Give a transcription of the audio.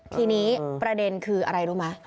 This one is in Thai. ทีนี้ประเด็นคืออะไรรู้ไหม